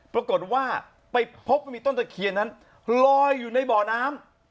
ปรากฏว่าไปพบว่ามีต้นตะเคียนนั้นลอยอยู่ในบ่อน้ำ